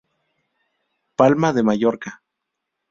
Palma de Mallorca.